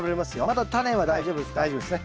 まだタネは大丈夫ですか？